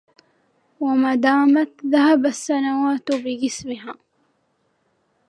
ومدامة ذهب السنون بجسمها